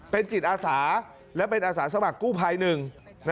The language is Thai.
เป็นจิตอาสาและเป็นอาสาสมัครกู้ภัยหนึ่ง